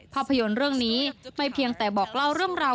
ภาพยนตร์เรื่องนี้ไม่เพียงแต่บอกเล่าเรื่องราว